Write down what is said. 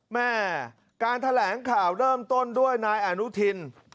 แม่การแถลงข่าวเริ่มต้นด้วยนายอนุทิน